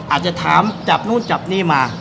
อาจจะถามจับนู่นจับนี่มา